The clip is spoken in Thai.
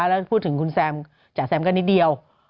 แล้วพูดถึงคุณแซมจ๋าแซมก็นิดเดียว